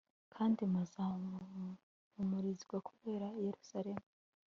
kandi muzahumurizwa kubera yerusalemu